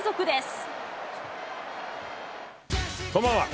こんばんは。